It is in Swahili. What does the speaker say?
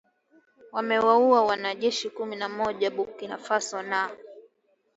wamewaua wanajeshi kumi na moja wa Burkina Faso na